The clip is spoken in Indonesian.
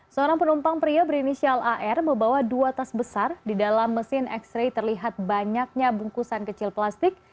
seorang penumpang pria berinisial ar membawa dua tas besar di dalam mesin x ray terlihat banyaknya bungkusan kecil plastik